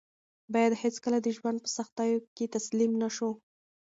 باید هېڅکله د ژوند په سختیو کې تسلیم نه شو.